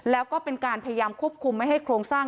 แล้วก็เป็นการพยายามควบคุมไม่ให้โครงสร้าง